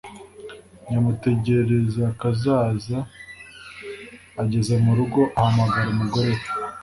Nyamutegerakazaza ageze mu rugo ahamagara umugore we